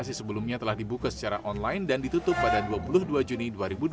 lokasi sebelumnya telah dibuka secara online dan ditutup pada dua puluh dua juni dua ribu dua puluh